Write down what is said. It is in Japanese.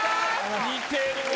似てるわぁ。